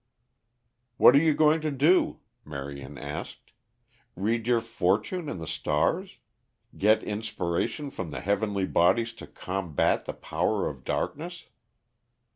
"What are you going to do?" Marion asked. "Read your fortune in the stars? Get inspiration from the heavenly bodies to combat the power of darkness?"